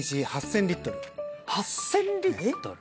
８０００リットル？